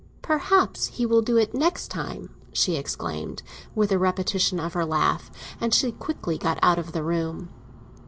"Perhaps he will do it the next time!" she exclaimed, with a repetition of her laugh. And she quickly got out of the room.